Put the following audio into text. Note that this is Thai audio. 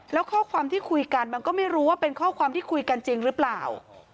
แล้วข้อความที่คุยกันมันก็ไม่รู้ว่าเป็นข้อความที่คุยกันจริงหรือเปล่า